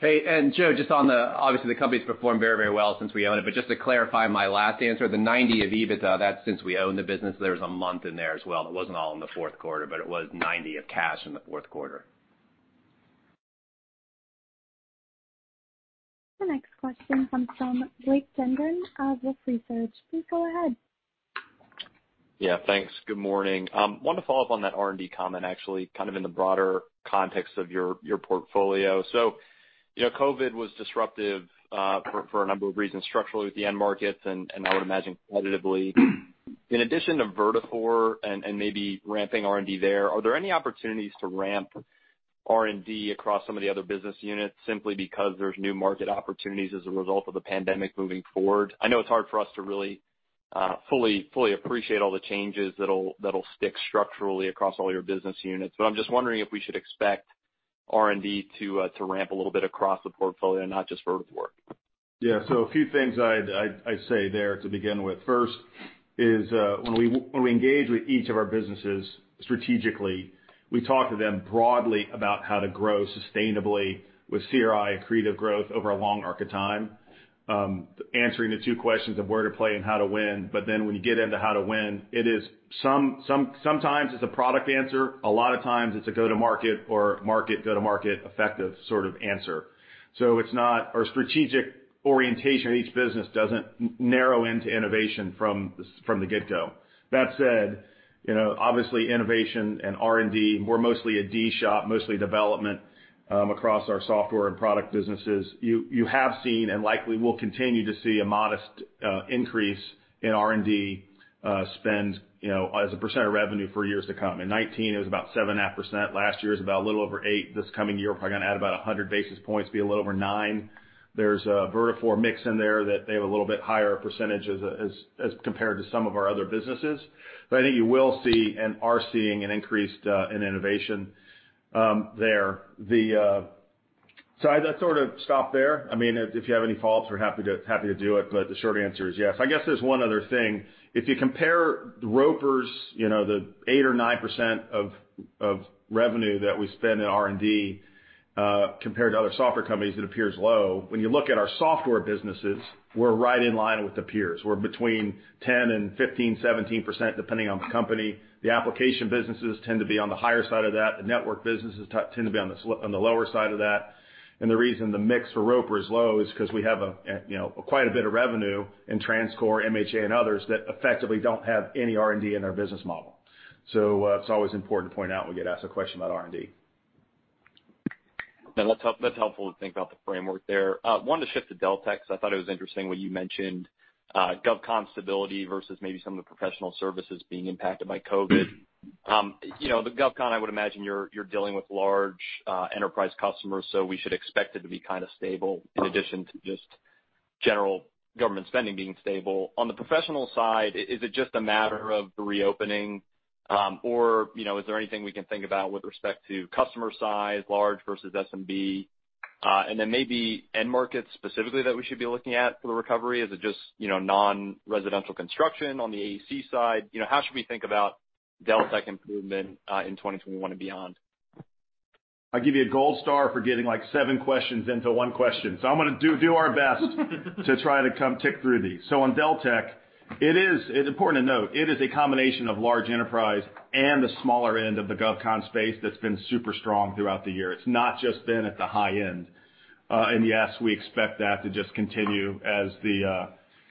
Hey, Joe, just on the obviously, the company's performed very well since we owned it. Just to clarify my last answer, the 90% of EBITDA, that's since we owned the business, there was a month in there as well. It wasn't all in the fourth quarter, but it was 90% of cash in the fourth quarter. The next question comes from Blake Gendron of Wolfe Research. Please go ahead. Yeah, thanks. Good morning. Wanted to follow up on that R&D comment, actually, kind of in the broader context of your portfolio. COVID was disruptive for a number of reasons structurally with the end markets, and I would imagine qualitatively. In addition to Vertafore and maybe ramping R&D there, are there any opportunities to ramp R&D across some of the other business units simply because there's new market opportunities as a result of the pandemic moving forward? I know it's hard for us to really fully appreciate all the changes that'll stick structurally across all your business units. I'm just wondering if we should expect R&D to ramp a little bit across the portfolio and not just Vertafore. Yeah. A few things I'd say there to begin with. First is when we engage with each of our businesses strategically, we talk to them broadly about how to grow sustainably with CRI, accretive growth, over a long arc of time, answering the two questions of where to play and how to win. When you get into how to win, sometimes it's a product answer, a lot of times it's a go to market or market go to market effective sort of answer. Our strategic orientation in each business doesn't narrow into innovation from the get go. That said, obviously innovation and R&D, we're mostly a D shop, mostly development across our software and product businesses. You have seen and likely will continue to see a modest increase in R&D spend as a percent of revenue for years to come. In 2019, it was about 7.5%. Last year was about a little over 8%. This coming year, we're probably going to add about 100 basis points, be a little over 9%. There's a Vertafore mix in there that they have a little bit higher percentage as compared to some of our other businesses. I think you will see and are seeing an increase in innovation there. I'd sort of stop there. If you have any follow-ups, we're happy to do it, but the short answer is yes. I guess there's one other thing. If you compare Roper's 8% or 9% of revenue that we spend in R&D compared to other software companies, it appears low. When you look at our software businesses, we're right in line with the peers. We're between 10% and 15%, 17%, depending on the company. The application businesses tend to be on the higher side of that. The network businesses tend to be on the lower side of that. The reason the mix for Roper is low is because we have quite a bit of revenue in TransCore, MHA, and others that effectively don't have any R&D in their business model. It's always important to point out when we get asked a question about R&D. No, that's helpful to think about the framework there. Wanted to shift to Deltek because I thought it was interesting when you mentioned GovCon stability versus maybe some of the professional services being impacted by COVID. The GovCon, I would imagine you're dealing with large enterprise customers, so we should expect it to be kind of stable in addition to just general government spending being stable. On the professional side, is it just a matter of the reopening? Is there anything we can think about with respect to customer size, large versus SMB? Then maybe end markets specifically that we should be looking at for the recovery. Is it just non-residential construction on the AEC side? How should we think about Deltek improvement in 2021 and beyond? I give you a gold star for getting seven questions into one question. I'm going to do our best to try to come tick through these. On Deltek, it is important to note it is a combination of large enterprise and the smaller end of the GovCon space that's been super strong throughout the year. It's not just been at the high end. Yes, we expect that to just continue.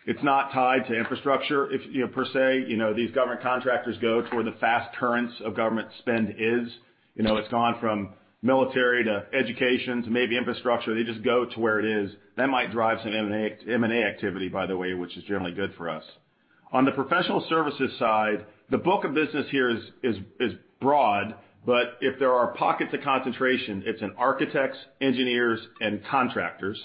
It's not tied to infrastructure per se. These government contractors go to where the fast currents of government spend is. It's gone from military to education to maybe infrastructure. They just go to where it is. That might drive some M&A activity, by the way, which is generally good for us. On the professional services side, the book of business here is broad, but if there are pockets of concentration, it's in architects, engineers, and contractors.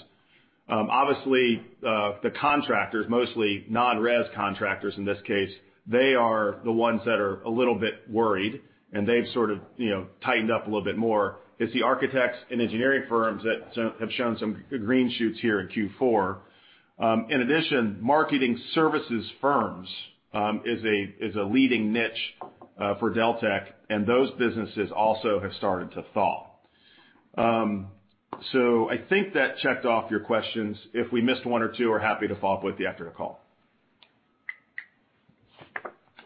The contractors, mostly non-res contractors in this case, they are the ones that are a little bit worried, and they've sort of tightened up a little bit more. It's the architects and engineering firms that have shown some green shoots here in Q4. Marketing services firms is a leading niche for Deltek, and those businesses also have started to thaw. I think that checked off your questions. If we missed one or two, we're happy to follow up with you after the call.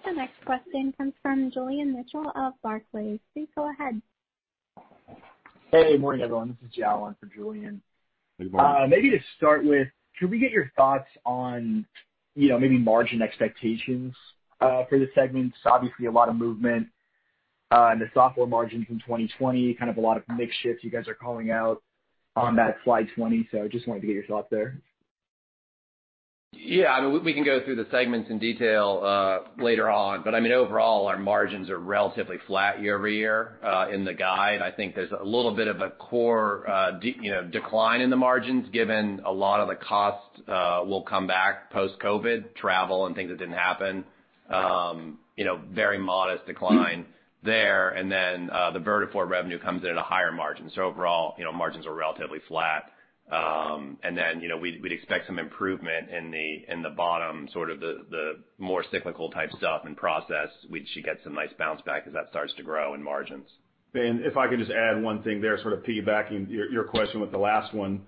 The next question comes from Julian Mitchell of Barclays. Please go ahead. Hey, morning, everyone. This is Jawan for Julian. Good morning. Maybe to start with, could we get your thoughts on maybe margin expectations for the segments? Obviously, a lot of movement in the software margins in 2020, kind of a lot of mix shifts you guys are calling out on that slide 20. Just wanted to get your thoughts there. Yeah, we can go through the segments in detail later on. Overall, our margins are relatively flat year-over-year in the guide. I think there's a little bit of a core decline in the margins given a lot of the cost will come back post-COVID, travel and things that didn't happen. Very modest decline there. The Vertafore revenue comes in at a higher margin. Overall, margins are relatively flat. We'd expect some improvement in the bottom, the more cyclical type stuff in process. We should get some nice bounce back as that starts to grow in margins. If I could just add one thing there, sort of piggybacking your question with the last one.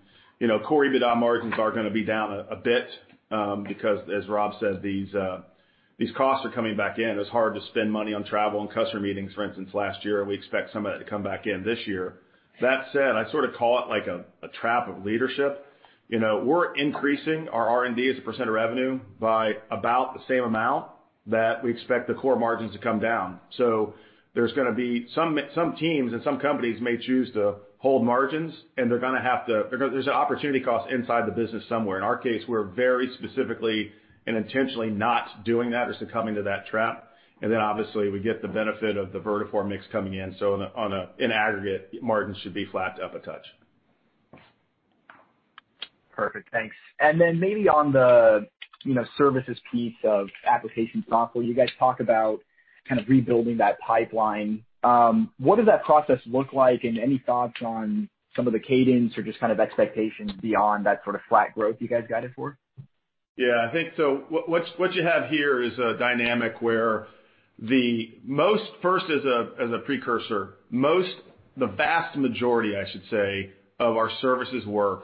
Core EBITDA margins are going to be down a bit, because as Rob says, these costs are coming back in. It's hard to spend money on travel and customer meetings, for instance, last year, we expect some of that to come back in this year. I sort of call it like a trap of leadership. We're increasing our R&D as a percent of revenue by about the same amount that we expect the core margins to come down. There's going to be some teams and some companies may choose to hold margins, and there's an opportunity cost inside the business somewhere. In our case, we're very specifically and intentionally not doing that as to coming to that trap. Obviously, we get the benefit of the Vertafore mix coming in. In aggregate, margins should be flat to up a touch. Perfect. Thanks. Maybe on the services piece of Application Software, you guys talk about kind of rebuilding that pipeline. What does that process look like? Any thoughts on some of the cadence or just kind of expectations beyond that sort of flat growth you guys guided for? Yeah, I think so. What you have here is a dynamic where first as a precursor, the vast majority, I should say, of our services work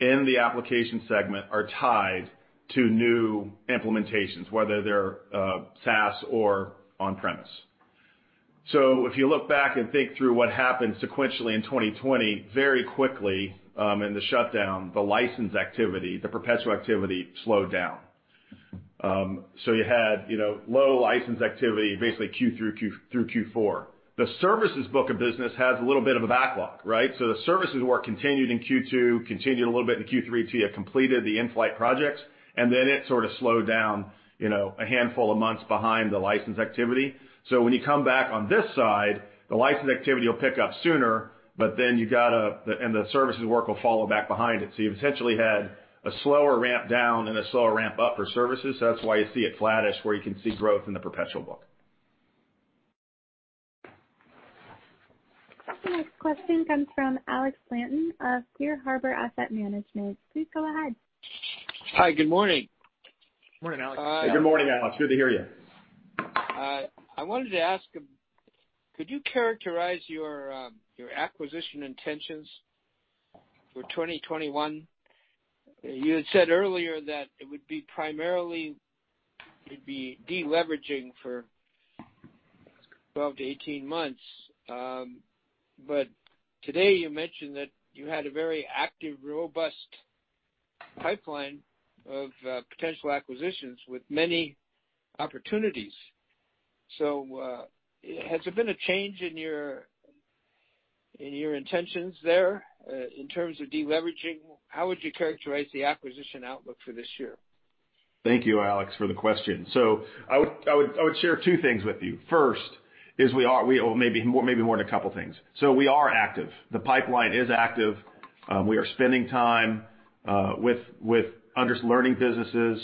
in the application segment are tied to new implementations, whether they're SaaS or on-premise. If you look back and think through what happened sequentially in 2020, very quickly in the shutdown, the license activity, the perpetual activity slowed down. You had low license activity basically Q3 through Q4. The services book of business has a little bit of a backlog, right? The services work continued in Q2, continued a little bit in Q3 to get completed the in-flight projects, and then it sort of slowed down a handful of months behind the license activity. When you come back on this side, the license activity will pick up sooner, and the services work will follow back behind it. You've essentially had a slower ramp down and a slower ramp up for services. That's why you see it flattish where you can see growth in the perpetual book. The next question comes from Alex Blanton of Clear Harbor Asset Management. Please go ahead. Hi. Good morning. Morning, Alex. Good morning, Alex. Good to hear you. I wanted to ask, could you characterize your acquisition intentions for 2021? You had said earlier that it would be primarily, it'd be deleveraging for 12-18 months. Today you mentioned that you had a very active, robust pipeline of potential acquisitions with many opportunities. Has there been a change in your intentions there in terms of deleveraging? How would you characterize the acquisition outlook for this year? Thank you, Alex, for the question. I would share two things with you. First is we are or maybe more than a couple things. We are active. The pipeline is active. We are spending time with learning businesses,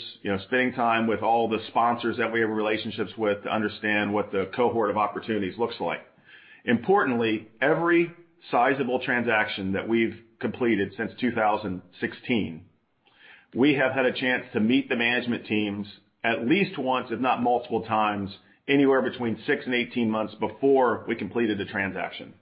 spending time with all the sponsors that we have relationships with to understand what the cohort of opportunities looks like. Importantly, every sizable transaction that we've completed since 2016, we have had a chance to meet the management teams at least once, if not multiple times, anywhere between six and 18 months before we completed a transaction.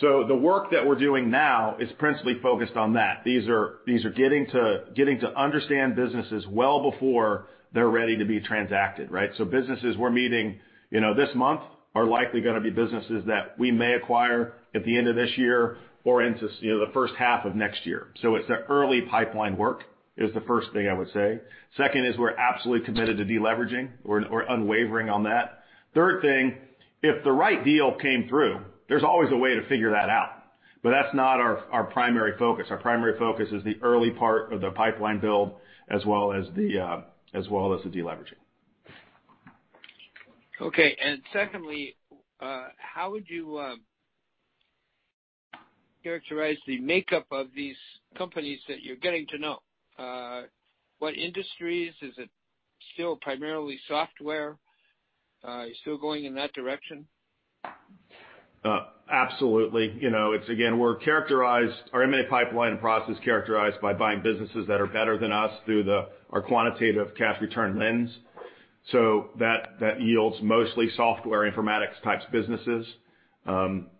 The work that we're doing now is principally focused on that. These are getting to understand businesses well before they're ready to be transacted, right? Businesses we're meeting this month are likely going to be businesses that we may acquire at the end of this year or into the first half of next year. It's the early pipeline work is the first thing I would say. Second is we're absolutely committed to deleveraging. We're unwavering on that. Third thing, if the right deal came through, there's always a way to figure that out. That's not our primary focus. Our primary focus is the early part of the pipeline build as well as the deleveraging. Okay. Secondly, how would you characterize the makeup of these companies that you're getting to know? What industries? Is it still primarily software? Are you still going in that direction? Absolutely. Again, our M&A pipeline process characterized by buying businesses that are better than us through our quantitative cash return lens. That yields mostly software informatics types businesses.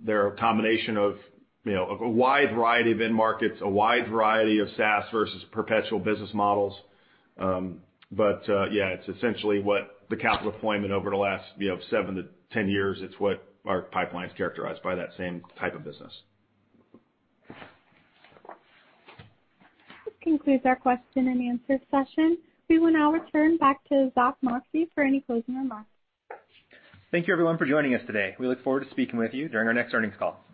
They're a combination of a wide variety of end markets, a wide variety of SaaS versus perpetual business models. Yeah, it's essentially what the capital deployment over the last 7-10 years, it's what our pipeline is characterized by that same type of business. This concludes our question and answer session. We will now return back to Zack Moxcey for any closing remarks. Thank you, everyone, for joining us today. We look forward to speaking with you during our next earnings call.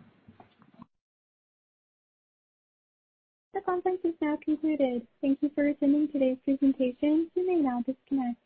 The conference is now concluded. Thank you for attending today's presentation. You may now disconnect.